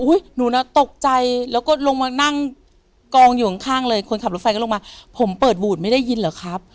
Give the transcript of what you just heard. หนูน่ะตกใจแล้วก็ลงมานั่งกองอยู่ข้างเลยคนขับรถไฟก็ลงมาผมเปิดบูดไม่ได้ยินเหรอครับ